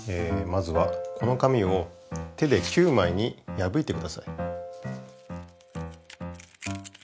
まずはこの紙を手で９枚にやぶいてください。